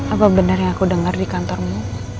apa benar yang aku dengar di kantormu